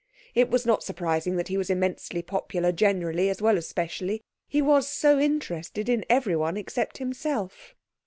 It was not surprising that he was immensely popular generally, as well as specially; he was so interested in everyone except himself.